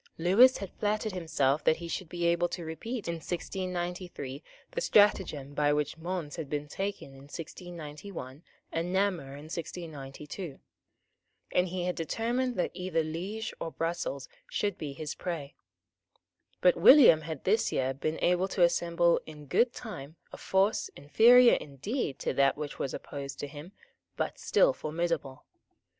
Lewis had flattered himself that he should be able to repeat in 1693 the stratagem by which Mons had been taken in 1691 and Namur in 1692; and he had determined that either Liege or Brussels should be his prey. But William had this year been able to assemble in good time a force, inferior indeed to that which was opposed to him, but still formidable.